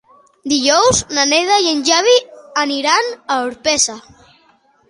Dijous na Neida i en Xavi aniran a Orpesa.